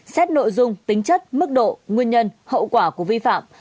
xét nội dung tính chất mức độ nguyên nhân hậu quả của vi phạm